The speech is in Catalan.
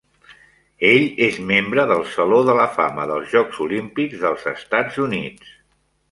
Ell és membre del Saló de la Fama dels Jocs Olímpics dels Estats Units.